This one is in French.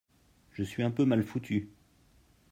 Je suis un peu mal foutu.